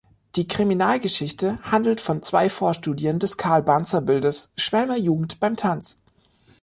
Die Kriminalgeschichte handelt von zwei Vorstudien des Carl Bantzer-Bildes "Schwälmer Jugend beim Tanz".